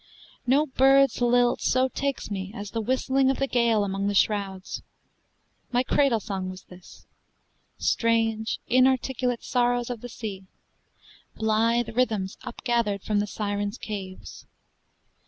No bird's lilt So takes me as the whistling of the gale Among the shrouds. My cradle song was this, Strange inarticulate sorrows of the sea, Blithe rhythms upgathered from the Sirens' caves.